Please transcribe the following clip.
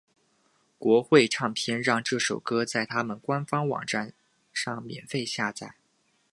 国会唱片让这首歌在他们官方网站上免费下载。